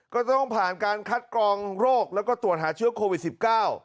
ก็จะต้องผ่านการคัดกรองโรคแล้วก็ตรวจหาเชื้อโควิดสิบเก้า